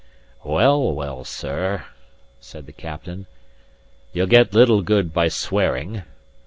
"Well, well, sir," said the captain, "ye'll get little good by swearing."